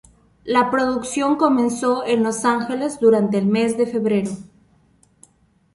La producción comenzó en Los Ángeles durante el mes de febrero.